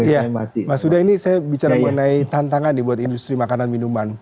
iya mas huda ini saya bicara mengenai tantangan nih buat industri makanan minuman